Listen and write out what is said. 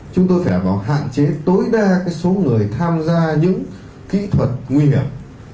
chúng tôi phải hạn chế tối đa số người tham gia những kỹ thuật nguy hiểm